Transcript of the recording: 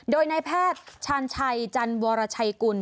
โดยนายแพทย์ชาญชัยจันวรชัยกุล